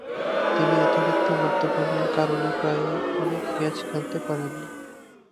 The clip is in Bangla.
তিনি অতিরিক্ত মদ্যপানের কারণে প্রায়ই অনেক ম্যাচ খেলতে পারেননি।